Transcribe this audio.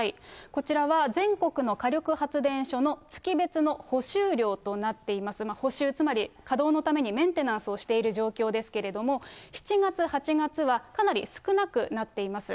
こちらは全国の火力発電所の月別の補修量となっています、補修、つまり稼働のためにメンテナンスをしている状況ですけれども、７月、８月はかなり少なくなっています。